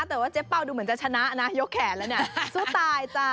แต่ว่าเจ๊เป้าดูเหมือนจะชนะนะยกแขนแล้วเนี่ยสู้ตายจ้ะ